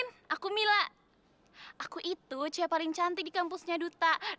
hah maksud kamu beda